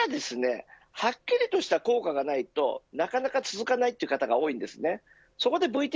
ただはっきりとした効果がないとなかなか続かないという方が多いんです。